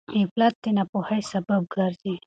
غفلت د ناپوهۍ سبب ګرځي.